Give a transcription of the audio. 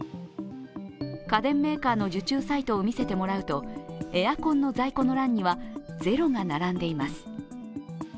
家電メーカーの受注サイトを見せてもらうとエアコンの在庫の欄には０が並んでいます。